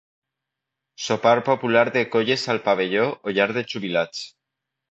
Sopar popular de colles al pavelló o llar de jubilats.